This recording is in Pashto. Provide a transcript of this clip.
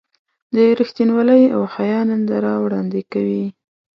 د رښتینولۍ او حیا ننداره وړاندې کوي.